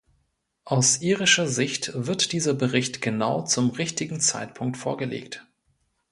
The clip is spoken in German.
Aus irischer Sicht wird dieser Bericht genau zum richtigen Zeitpunkt vorgelegt.